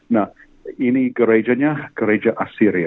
nah ini gerejanya gereja assyria